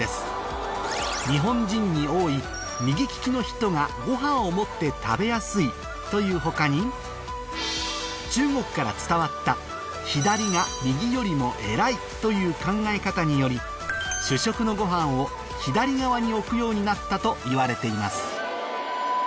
そうご飯は左汁物は右と日本人に多いという他に中国から伝わった「左が右よりも偉い」という考え方により主食のご飯を左側に置くようになったといわれています